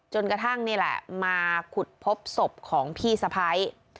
จนกระทั่งนี่แหละมาขุดพบศพของพี่สะพ้าย